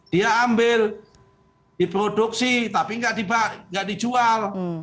dia ambil diproduksi tapi nggak dijual